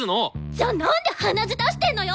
じゃなんで鼻血出してんのよ！？